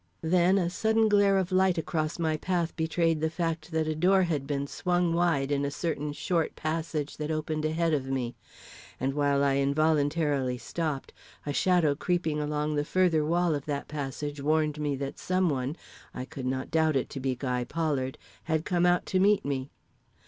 Then a sudden glare of light across my path betrayed the fact that a door had been swung wide in a certain short passage that opened ahead of me; and while I involuntarily stopped, a shadow creeping along the further wall of that passage warned me that some one I could not doubt it to be Guy Pollard had come out to meet me.